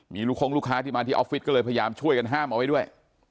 มีลูกคงลูกค้าที่มาที่ออฟฟิศก็เลยพยายามช่วยกันห้ามเอาไว้ด้วย